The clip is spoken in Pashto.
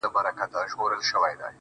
گراني خبري سوې پرې نه پوهېږم